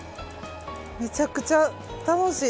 めちゃくちゃ楽しい。